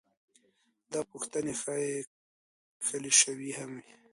دا پوښتنې ښايي کلیشوي هم وي.